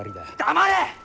黙れ！